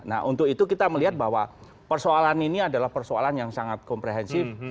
nah untuk itu kita melihat bahwa persoalan ini adalah persoalan yang sangat komprehensif